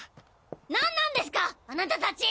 何なんですかあなた達！